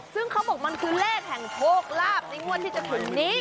ซึ่งเขาบอกมันคือเลขแห่งโชคลาภในงวดที่จะถึงนี้